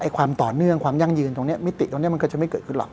ความต่อเนื่องความยั่งยืนตรงนี้มิติตรงนี้มันก็จะไม่เกิดขึ้นหรอก